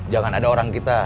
jangan ada orang kita